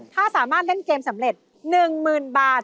ถ้าสามารถเล่นเกมสำเร็จ๑๐๐๐บาท